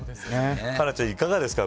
佳菜ちゃんいかがですか。